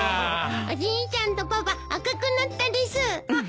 おじいちゃんとパパ赤くなったです。